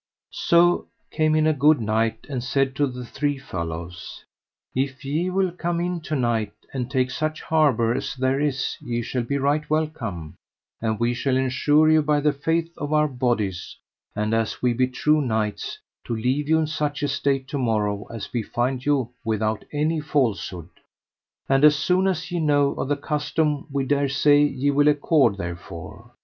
So came in a good knight, and said to the three fellows: If ye will come in to night and take such harbour as here is ye shall be right welcome, and we shall ensure you by the faith of our bodies, and as we be true knights, to leave you in such estate to morrow as we find you, without any falsehood. And as soon as ye know of the custom we dare say ye will accord therefore.